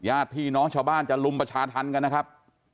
ญาติพี่น้องชาวบ้านจะลุมประชาธรรมกันนะครับ